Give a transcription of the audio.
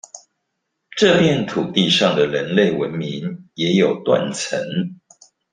這片土地上的人類文明也有「斷層」